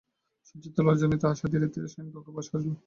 সজ্জিত লজ্জান্বিত আশা ধীরে ধীরে শয়নকক্ষে প্রবেশ করিল।